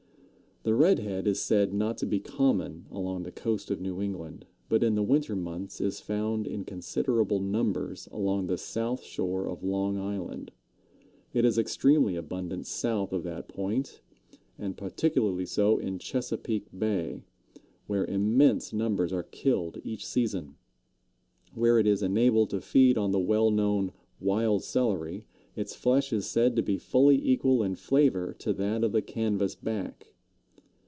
The Red head is said not to be common along the coast of New England, but in the winter months is found in considerable numbers along the south shore of Long Island. It is extremely abundant south of that point, and particularly so in Chesapeake Bay, where immense numbers are killed each season. Where it is enabled to feed on the well known wild celery its flesh is said to be fully equal in flavor to that of the Canvas Back.